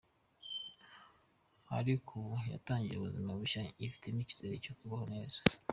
Ariko ubu yatangiye ubuzima bushya, yifitemo icyizere cyo kubaho neza.